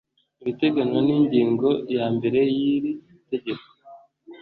ibiteganywa n ingingo ya mbere y iri tegeko